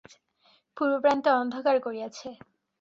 পূর্বপ্রান্তে অন্ধকার করিয়াছে।